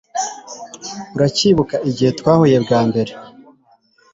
uracyibuka igihe twahuye bwa mbere